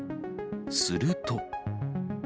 すると。